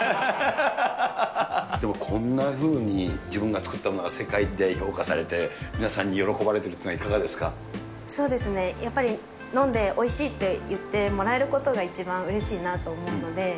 でもこんなふうに、自分が造ったものが世界で評価されて、皆さんに喜ばれているといそうですね、やっぱり飲んで、おいしいって言ってもらえることが、一番うれしいなと思うので。